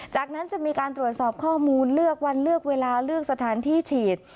จากนั้นจะมีการตรวจสอบข้อมูลเลือกวันเลือกเวลาเลือกสถานที่ฉีด